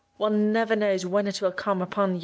One never knows when it will come upon you.